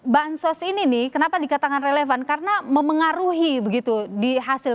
bansos ini nih kenapa dikatakan relevan karena memengaruhi begitu di hasil